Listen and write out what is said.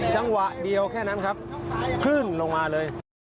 จังหวะเดียวแค่นั้นครับคลื่นลงมาเลย